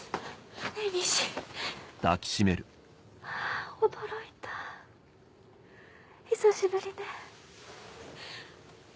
あぁ驚いた久しぶりね。